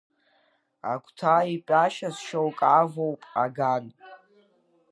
Агәҭа итәашаз шьоук авоуп аган.